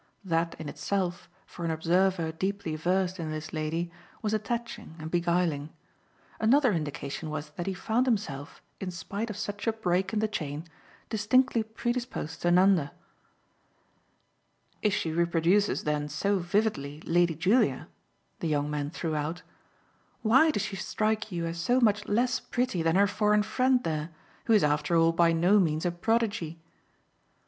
That in itself, for an observer deeply versed in this lady, was attaching and beguiling. Another indication was that he found himself, in spite of such a break in the chain, distinctly predisposed to Nanda. "If she reproduces then so vividly Lady Julia," the young man threw out, "why does she strike you as so much less pretty than her foreign friend there, who is after all by no means a prodigy?"